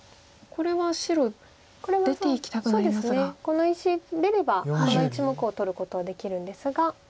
この石出ればこの１目を取ることはできるんですが。